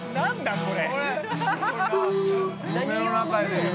これ。